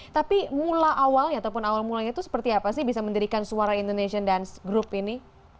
tapi awal mulanya itu seperti apa sih bisa mendirikan suara indonesia dance group ini